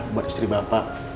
buat istri bapak